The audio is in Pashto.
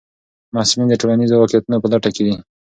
محصلین د ټولنیزو واقعیتونو په لټه کې دي.